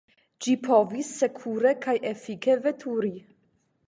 Ĝi povis sekure kaj efike veturi.